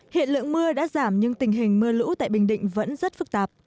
hiện lượng mưa đã giảm nhưng tình hình mưa lũ tại bình định vẫn rất phức tạp